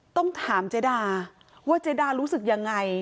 ต้องถามเจดาว่าเจดารู้สึกยังไง